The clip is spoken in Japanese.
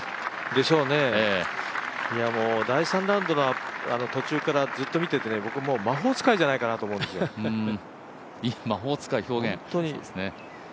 でしょうね、いやもう第３ラウンドの途中からずっと見てて僕も、魔法使いじゃないかと思うんですよ、本当に。